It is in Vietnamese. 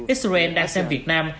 israel đang xem việt nam